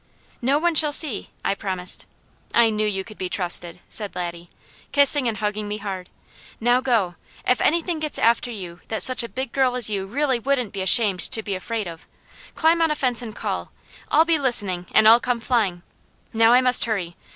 "No one shall see," I promised. "I knew you could be trusted," said Laddie, kissing and hugging me hard. "Now go! If anything gets after you that such a big girl as you really wouldn't be ashamed to be afraid of, climb on a fence and call. I'll be listening, and I'll come flying. Now I must hurry.